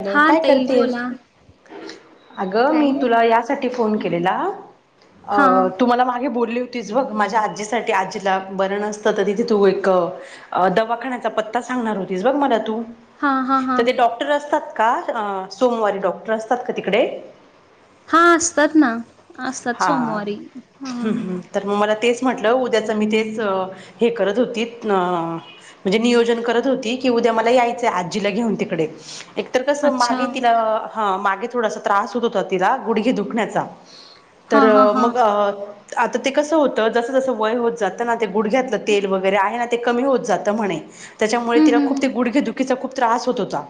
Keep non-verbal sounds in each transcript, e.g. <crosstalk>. Hello हा काय ताई करतेस बोला अगं मी काही नाही तुला यासाठी फोन केलेला अ हा तु मला मागे बोलीवतीस बघ माझ्या आजीसाठी आजीला बरं नसतं तरी तिथे तू एक अ.. दवाखान्याचा पत्ता सांगणार हुतीस बघ मला तू हा हा हा तर ते डॉक्टर असतात का अ सोमवारी डॉक्टर असतात का तिकडे हा असतात ना असतात सोमवारी हा हम् हम तर मला तेच म्हंटलं उद्याच मी तेच हे करत होतीत न.. म्हणजे नियोजन करत होती की उद्या मला यायचं आजीला घ्युन तिकडे तर कसं अच्छा मागे तिला हा मागे थोडासा त्रास हुत हुता तिला गुडघे दुखण्याचा हा तर हा हा मग आता ते कसं होतं जसं जसं वय होत जात <unintelligible> गुडघ्यातलं तेल हम्म वगैरे आहे ना ते कमी होत जातं म्हणे त्याच्यामुळे तिला हम्म खूप ते हम्म गुडघे दुखी खीचा खूप त्रास हुत हुता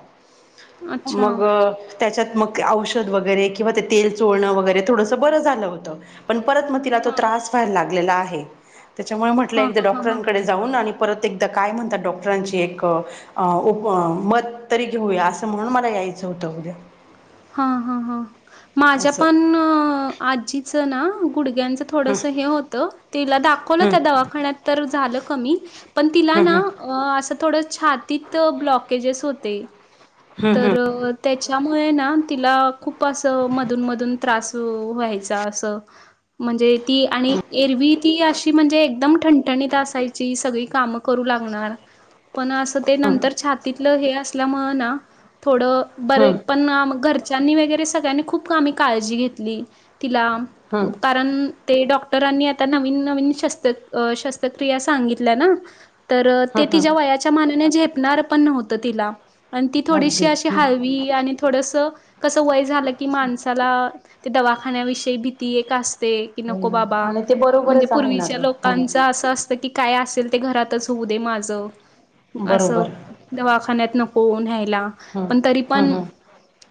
अच्छा मग अ.. त्याच्यात मग औषध वगैरे किंवा ते-तेल चोळणं वगैरे थोडसं बरं झालं होतं पण परत मग तिला तो हा त्रास व्हाय लागलेला आहे तच्यामुळं म्हटलं हा एकदा हा हा हा डॉक्टरांकडे जावून आणि परत एकदा काय म्हणतात डॉक्टरांची एक अ उप मत तरी होय असं म्हणून मला यायचं हुतं उद्या हा हा हा माझ्या असं पण आजीचं ना गुडघ्यांच हं थोडसं हे होतं तिला दाखवलं हं त्या दवाखान्यात तर झालं कमी पण तिला ना हं असं थोडं छातीत ब्लॉकेजेस होते तर तच्यामुळे ना तिला खूप असं मधून मधून त्रास व्हायचा असं म्हणजे ती आणि एरवी ती अशी म्हणजे एकदम ठणठणीत असाय ची सगळी कामं करू लागणार पण असं ते नंतर छातीतलं हे असल्यामुळं ना थोडं बरे हं हं पण घरच्यांनी वगैरे सगळ्यांनी खूप आम्ही काळजी घेतली तिला हं कारण ते डॉक्टरांनी आता नवीन नवीन श शस्त्रक्रिया सांगितल्या ना तर ते तिच्या वयाच्या मानाने झेपणार पण नव्हतं तिला आणि ती थोडीशी अगदी अशी हं हलवी आणि थोडस कसं वय झालं की माणसाला ते दवाखान्याविषयी भीती एक असते की हो नको ना बाबा आणि ते म्हणजे बरोबरच आहे ना पूर्वीच्या गं लोकांचा हं असं अस की काय असेल ते घरातच होऊ दे माझं असं बरोबर दवाखान्यात नको न्यायला हं पण तरी हं पण हं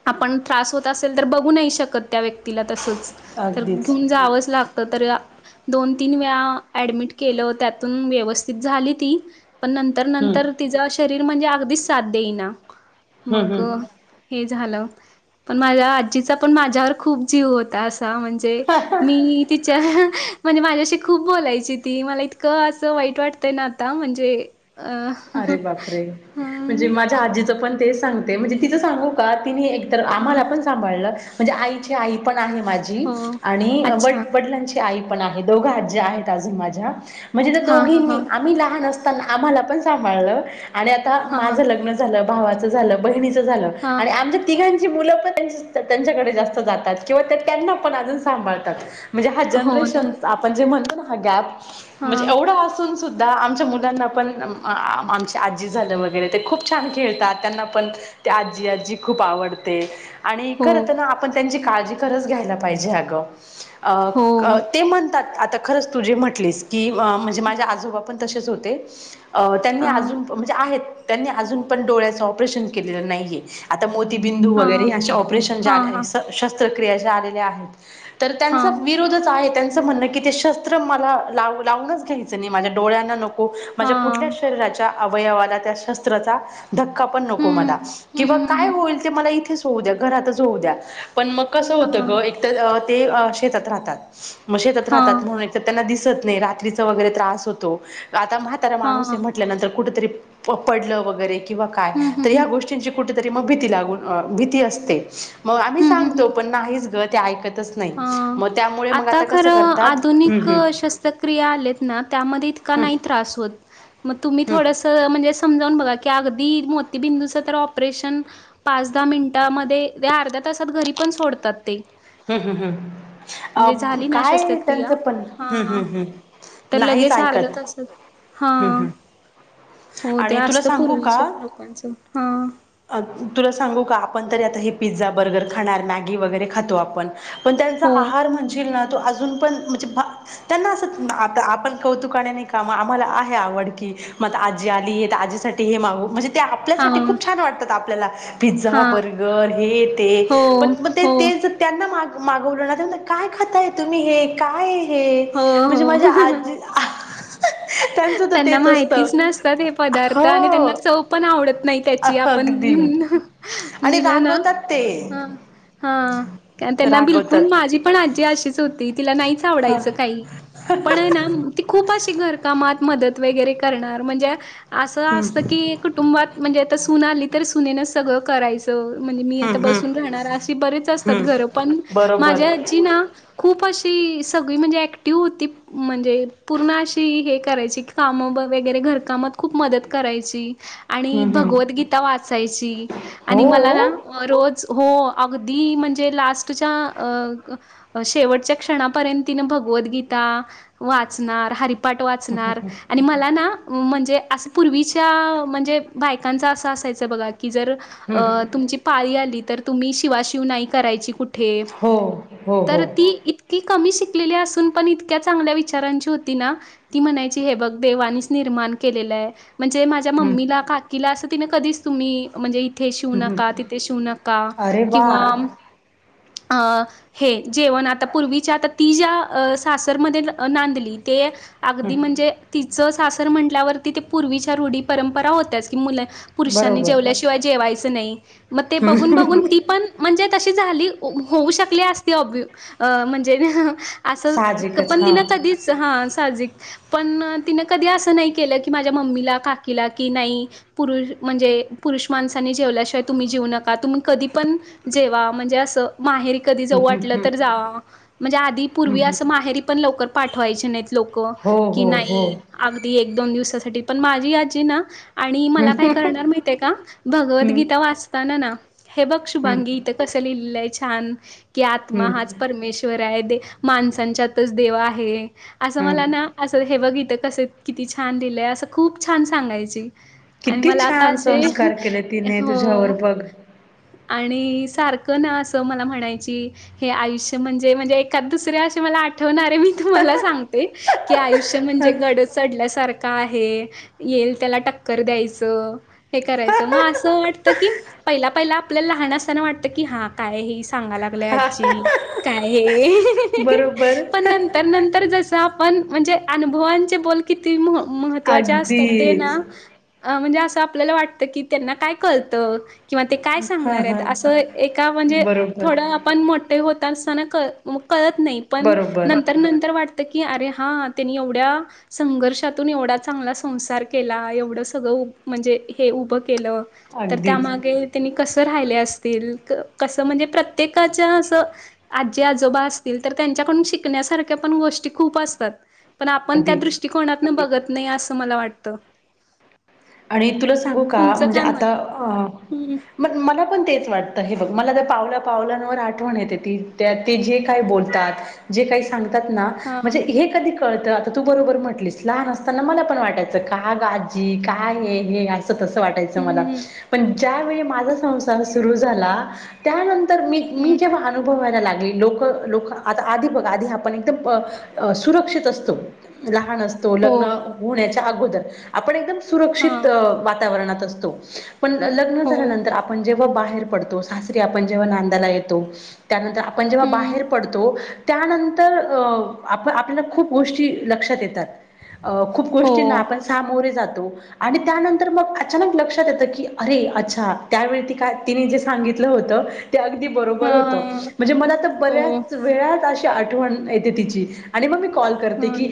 आपण त्रास होत असेल तर बघू नाही शकत त्या व्यक्तीला तसंच तर अगदीच घेऊन जावंच लागतं तर दन तीन वेळा डमि के त्यातून व्यवस्थित झाली ती पण तर हं नंतर तिचां शरीर म्हणजे अगदीच साथ देईना हं मग हं हे झालं पण माझ्या आजीचा पण माझ्यावर खूप जीव होता असा म्हणजे मी तिच्या म्हणजे माझ्याशी खूप बोलायची ती मला इतकं असं वाईट वाटत ते ना आता म्हणजे अ अरे बापरे म्हणजे हां म आजीचं पण तेच सांगते म्हणजे तिचं सांगू का तिने एकतर आम्हाला पण सांभाळलं म्हणजे आईची आई पण आहे माझी हो आणि व अच्छा वडिलांची ण दघ आहेत माझ्या म्हणज त्या हां दोघ हां हां आम्ही लहान अस आम्हाला पण सभ आणि आता हां माझ लग्न झालं भावाच झालं ब झा हां आणि आ तिघांची मुलं पण त्यांच्याकडे जास्त जातात किंवा त्यांना पण अजून सांभाळतात म्हणजे हा हो ना जनरेशन आपण जे म्हणतो ना हा गॅप म्हणजे हां एवढ असून द आमच्या मुलांना पण आ आमची आजी झालं वगैरे ते खूप छान खेळतात त्यांना पण ते आजी आजी खूप आवडते आणि हो खरत ना आपण त्यांची काळजी करच घ्यायला पाहिजे अगं हो अ ते म्हणतात आता खरंच तुझे म्हटली की म्हणजे माझ्या आजोबा पण तसेच होते अ त्यांनी हां अजून म्हणजे आहेत त्यांनी अजून पण डोळ्याचं ऑपरेशन केलेलं नाहीये आता मोतीबिंदू वगैरे हां हचे ऑपरेशन हां हां शस्त्रक्रिया आलेल्या आहेत तर त्यांचा हां विरोधच आहे त्यांचं म्हणणं क ते शस्त्र म ला लावूनच घ्यायचं नाही माझ्या डोळ्यांना नको माझ कुठ हां शरीच्या अवयवाला त्या शस्त्राचा धक्का पण नको मला हम्म हम्म किंवा हम्म काय हम्म होईल ते मला इथेच होऊ द्या घरातच होऊ द्या पण मग कस होत हां ग एक तरर ते शेतात राहतात मग शेतात राहतात हां म्हणून त्यांना दिसत नाही रात्रीचा वगैरे त्रास होतो आता म्हातारा माणूस हां ंतर कुठरी पडलं वगैरे किंवा काय हम्म हम्म तर ह हम्म गोष्टीं क भी ला भी असते मग आम्ही हम्म हम्म सांगतो हम्म पण नाही ग हां म त्या आता खरं आधुनिक शस्त्रक्रिया आलेत ना त्यामध्ये इतका हं हं नाही त्रास होत मग तुम्ही हं थोडंसं म्हणजे समजावून बघा की अगदी मोतीबिंदूचं तर ऑपरेशन पाच दहा मिनटामध्ये ते अर्ध्या तासात घरी पण सोडतात ते हम् हम् हम म्हणजे अ झाली ना काय शस्त्रक्रिया त्यांचं पण हम् हा हम् हम् तर नाहीच लगेच अर्धा ऐकत तासात हा हं हं हो ते आणि तुला असत सांगू पूर्वीच्या का लोकांचं हा तुला सांगू का आपण तरी आता हे पिझ्झा बर्गर खाणार मॅगी वगैरे खातो आपण पण त्यांचा हो आहार म्हणजील ना तो अजून पण म्हणजे भा त्यांना असं आ आपण कौतुकाने नाही कामा आम्हाला आहे आवड की मग आजी आली आहे तर आजीसाठीठी हे मागू म्हणजे ते हा आपल्यासाठी खूप छान वाटतात आपल्याला पिझ्झा हा बर्गर हे य ते हो पण मग ते हो ते त्यांना माग मागवलं ना ते काय खाताय तुम्ही हे काय हे हो म्हणजे हो माझ्या आजी त्यांचं तर त्यांना तेच असतं माहितीच नसतात हे पदार्थ हो आणि त्यांना चव पण आवडत नाही त्याची आपण अगदी आणि दिलं ना रागवतात ते हा हा कारण त्यांना बिलकुल रागवतात माझी पण आजी अशीच होती तिला नाहीच ह आवडायचं काही पण आहे ना ती खूप अशी घरकामात मदत वगैरे करणार म्हणजे असं असतं हम्म की कुटुंबात म्हणजे आता सून आली तर सुनेनं सगळं करायच म्हणजे मी आता हम्म हम्म बसून राहणार अे बरेच असतात घर पण हम्म बरोबर माझ्या खूप अशी सगळी म्हणजे एक्टिव होती म्हणजे पूर्ण अशी करायची काम वगैरे घरकामात खूप मदत करायची आणि हम्म हम्म भागवत गीता वाचायची आणि मला हो ना रोज हो अगदी म्हणजे लास्टच्या शेवटच्या क्षणापर्यंत तिन भगवद्गीता वाचणार हरिपाठ वाच चणार आणि मला ना म्हणजे असं पूर्वीच्या म्हणजे बायकांचा असं असायचं बघा की जर अ हम्म तुमची पाळी आली तर तुम्ही शिवाशिव नाही करायची कुठे हो हो हो तर ती इत की कमी शिकलेली असून पण इतक्या चांगल्या विचारांची होती ना ती म्हणायची हे बघ देवानीच निर्माण केलेलंय म्हणजे माझ्या हम्म मम्मीला का तिला असं तिने कधीच तुम्ही म्हणजे इथे शिवू हम्म नका हम्म तिथे शिवू नका अरे वा किंवा आं हे जेवण आता पूर्वीच्या आता ती ज्या सासरमध्ये नांदली ते अगदी हम्म म्हणजे तिचं सासर म्हटल्यावरती ते पूर्वीच्या रूढी परंपरा होत्याच की मुलं पुरुषांनी बरोबर जेवल्याशिवाय जेवायचं नाही मग ते बघून बघून ती पण म्हणजे तशी झाली होऊ शकली असती अ म्हणजे असं साहजिकच पण हा तिन हम्म कधीच हा साजिक पण तिन कधी असं नाही केलं की माझ्या मम्मीला काकीला कि नाही पुरु म्हणजे पुरुष माणसानी जेवल्याशिवाय तुम्ही जेवू नका तुम्ही कधी पण जेवा म्हणजे असं माहेरी कधी जाऊ हम्म वाटलं हम्म तर जा म्हणजे आधी पूर्वी हम्म हम्म असं माहेरी पण लवकर पाठवायचे नाहीत लोक हो की हो हो नाही अगदी एक दोन दिवसासाठी पण माझी आजी ना आणि मला काय हम्म करणार माहिताय का भगवद्गीता वाचताना ना हे बघ शुभांगी हम्म ते कस लिहिलंय छान की आत्मा हम्म हाच परमेश्वर माणसांच्याच देवा आहे असं हम्म मला ना असं हे बघ इथ कस किती छान दिलंय असं खूप छान सांगायची आणि किती मला आता छान असे संस्कार केले तिने हो तुझ्यावर बघ आणि सारखं ना असं मला म्हणायची हे आयुष्य म्हणजे म्हणजे एकाद दुसरे असे मला आठवणारे मी तुम्हाला सांगते की आयुष्य म्हणजे गड चढल्यासारखं आहे येईल त्याला टक्कर द्यायचं हे करायचं मग असं वाटतं की पहिला पहिला आपल्याला लहान असताना वाटतं की हा काय हे सांगा लागल्या आज्जी काय हे बरोबर पण नंतर नंतर जस आपण म्हणजे अनुभवांचे बोल किती महत्त्वाचे असतात ते अगदीच ना अ म्हणजे असं आपल्याला वाटतं की त्यांना काय कळतं किंवा ते काय हा सांगणार हा आहेत असं एका म्हणजे बरोबर थोडं आपण मोठे होत असताना कळ कळत नाही पण बरोबर नंतर नंतर वाटत की अरे हा त्यांनी एवढ्या संघर्षातून एवढा चांगला संसार केला एवढं सगळं म्हणजे हे उभं केलं तर अगदीच त्यामागे त्यांनी कस राहिले असतील कसं म्हणजे प्रत्येकाच्या असं आजी आजोबा असतील तर त्यांच्याकडून शिकण्यासारख्या पण गोष्टी खूप अस पण आपण त्या अगदीच दृष्टकोनात बघत नाही असं मला वाटत आणि तुला सांगू का म्हणजे आता हम्म मग मला पण तेच वाटतं हे बघ मला तर पावला पावलांवर आठवण येते ती त्या ते जे काय बोलतात जे काही सांगतात ना हा म्हणजे हे कधी कळत आ तू बरोबर म्हटलीस लहान असताना मला पण वाटायचं का गाजी काय हे तस वाटायचं मला हम्म पण ज्या वळी माझा संसार सुरू झाला त्यानंतर मी मी हम्म जेव्हा अनुभवायला लागले लोक लोक आता आधी बघ आधी आपण एकदम सुरक्षित असतो लहान असतो हो लग्न होण्याच्या अगोदर आपण एकदम हा सुरक्षित वाताणात असतो पण हो लग्नाझाल्यानंतर आपण जेव्हा बाहेर पडतो सासरी आपण जेव्हा नांदाला येतो त्यानंतर आपण जेव्हा हम्म बाहेर पडतो त्यानंतर अ आप आपल्याला खूप गोष्टी लक्षात येतात खूप हो गोष्टींना आपण सामोरे जातो आणि त्यानंतर मग अचानक लक्षात येतं की अरे अच्छा त्यावेळी त काय तिने जे सांगितलं होतं ते अगदी बरोबर हा होत म्हणजे मला आ तर हो बऱ्याच वेळात अशी आठवण येते तिची आणि मग मी कॉल करते की हं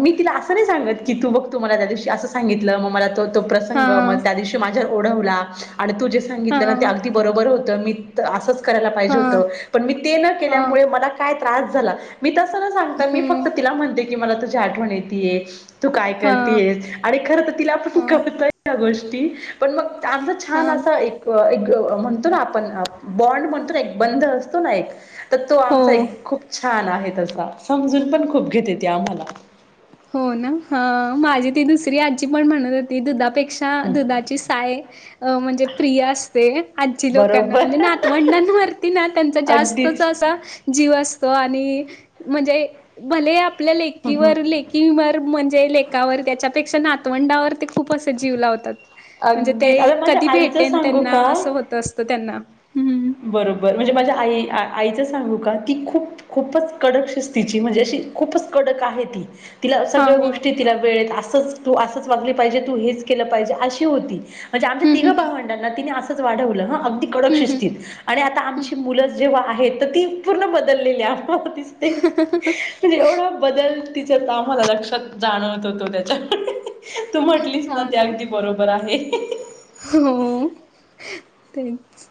मी तिला असं नाही सांगत की तू बघ तुम्हाला त्या दिवशी असं सांगित ग मला त तो हा प्रसंग मग त्या दिवशी माझ्यावर ओढवला आणि तू जे हा सांगितलं ना ब होत मी असंच करायला पाहिजे हा होत पण मी ते न हा केल्यामुळे मला काय त्रास झाला मी तस ना सांगता मी हम्म फक्त तिला म्हणते की मला तुझी आठवण येतय तू काय हा करतेयस आणि खर तर तिला आपण हा तूतय या गोष्टी पण मग आमचा हा छान असा एक एक म्हणतो ना आपण बॉन्ड म्हणतो ना एक बंद असतो ना एक तर तो आमचा हो एक खूप छान आहे तसा समजून पण खूप घेत येते आम्हाला हो ना ह माझी ती दुसरी आजी पण म्हणत होती दुधापेक्षा दुधाची साय अ म्हणजे प्रिय असते आजी लोकांना बरोबर म्हणजे नातवंडांवरती ना त्यांचा जास्त अगदीच जीव असतो आणि म्हणजे भले आपल्या लेकीवर ले किं मर म्हणजे लेखवर त्याच्यापेक्षा नातवंडावर ते खूप असे जीव लावतात म्हणजे अगदी ते आता माझ्या कधी आईचं भेटेन सांगू त्यांना का असं होत असतं त्यांना हं. बरोबर म्हणजे माझ्या आई आ आईचं सांगू का ती खूप खूपच कडक शिस्तीिची म्हणजे अशी खूपच कडक आहे ती तिला हां, सगळ्या हां. गोष्टी तिला वेळेत असंच तू असंच वागली पाहिजे तू हेच केलं पाहिजे अशी होती म्हणजे आमच्या हं, हं, तिघं हं. भावंडांना तिनें असंच वाढवलं हं अगदी कडक हं, हं, शिस्तीत हं. आणि आता आमची मुलंच जेव्हा आहेत तर ती पूर्ण बदललेली आ तिसते णे एवढा बदल तिच तर आम्हाला लक्षात जाणवत होतो त्याच्याक तू म्हटलीस ना ते अगदी बरोबर आहे हो तेच